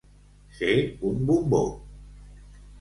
Ser un bombó.